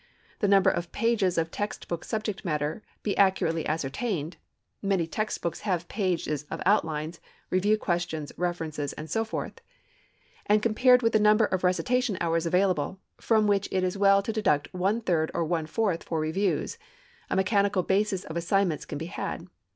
If the number of pages of text book subject matter be accurately ascertained (many text books have pages of outlines, review questions, references, and so forth), and compared with the number of recitation hours available, from which it is well to deduct one third or one fourth for reviews, a mechanical basis of assignments can be had.